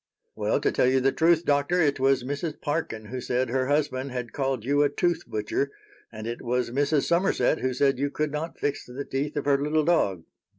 "Well, to tell you the truth, Doctor, it was Mrs. Parkin who said her husband had called you a 'tooth butcher,' and it was Mrs. Somerset who said you could not fix the teeth of her little dog."